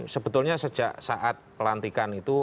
sebetulnya sejak saat pelantikan itu